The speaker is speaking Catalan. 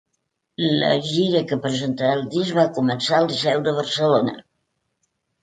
La gira que presentarà el disc, va començar al Liceu de Barcelona.